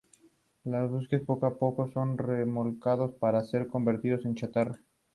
Los buques poco a poco son remolcados para ser convertidos en chatarra.